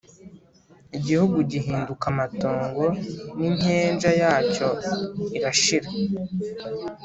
igihugu gihinduka amatongo n’inkenja yacyo irashira